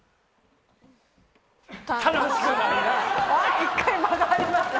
一回間がありましたね。